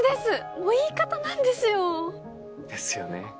もう言い方なんですよ。ですよね。